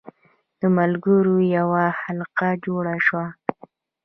د ملګرو یوه حلقه جوړه شوه.